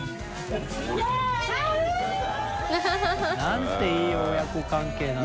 何ていい親子関係なんだ。